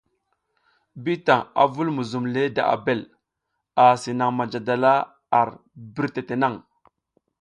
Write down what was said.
Bitan a vul muzum le da Abel, asi naŋ manja dala ar birtete naŋ.